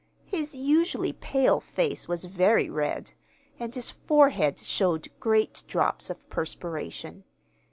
His usually pale face was very red, and his forehead showed great drops of perspiration.